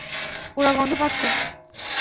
পোড়া গন্ধ পাচ্ছ?